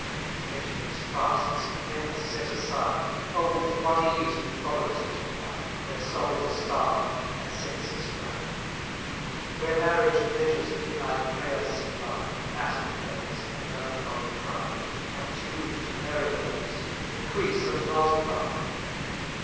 Confessions, fasts, and penance set aside, Oh, with what ease we follow such a guide, Where souls are starved, and senses gratified! Where marriage pleasures midnight prayers supply, And matin bells, a melancholy cry, Are tuned to merrier notes, Increase and multiply.